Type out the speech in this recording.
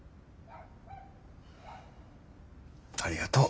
ありがとう。